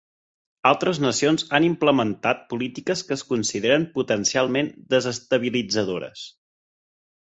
Altres nacions han implementat polítiques que es consideren potencialment desestabilitzadores.